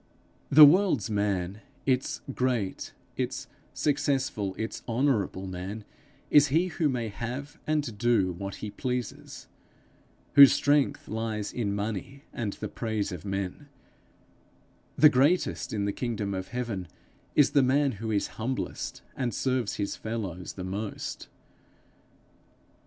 The world's man, its great, its successful, its honorable man, is he who may have and do what he pleases, whose strength lies in money and the praise of men; the greatest in the kingdom of heaven is the man who is humblest and serves his fellows the most.